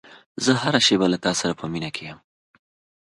زه هره شېبه له تا سره په مینه کې یم.